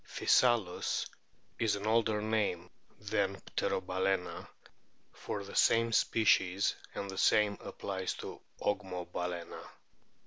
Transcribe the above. Physalus is an older name than Pterobalcsna for the same species, and the same applies to Ogmobalana.